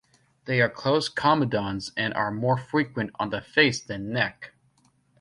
They are closed comedones and are more frequent on the face than neck.